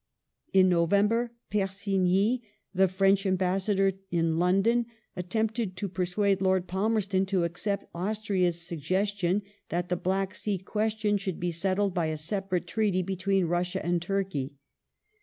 In November, Persigny, the French Ambassador in London, attempted to persuade Lord Palmerston to accept Austria's suggestion that the Black Sea question should be settled by a separate treaty between Russia and Turkey.